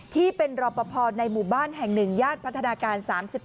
ที่เป็นรอปภในหมู่บ้านแห่ง๑ย่านพัฒนาการ๓๘